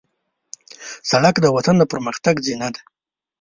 سړک د وطن د پرمختګ زینه ده.